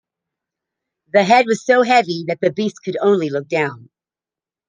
The head was so heavy that the beast could only look down.